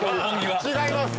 違います！